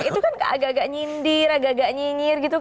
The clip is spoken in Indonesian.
itu kan agak agak nyindir agak agak nyinyir gitu